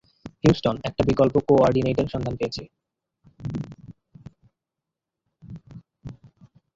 Houston, একটা বিকল্প কো-অর্ডিনেটের সন্ধান পেয়েছি!